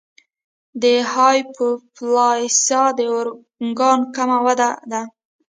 د هایپوپلاسیا د ارګان کم وده ده.